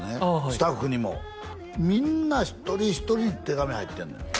スタッフにもみんな一人一人に手紙入ってんのよ